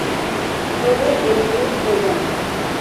Rodó y Emilio Frugoni.